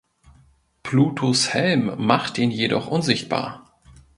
Plutos Helm macht ihn jedoch unsichtbar.